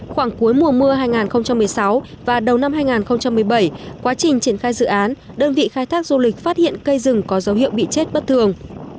khoảng cuối mùa mưa hai nghìn một mươi sáu và đầu năm hai nghìn một mươi bảy quá trình triển khai dự án đơn vị khai thác du lịch phát hiện cây rừng có dấu hiệu bị chết bất thường